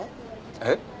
えっ？